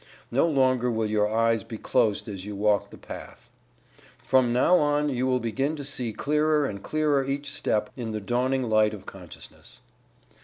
No longer will your eyes be closed as you walk the Path. From now on you will begin to see clearer and clearer each step, in the dawning light of consciousness.